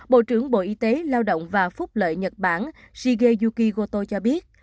bộ trưởng bộ y tế lao động và phúc lợi nhật bản shige yuki goto cho biết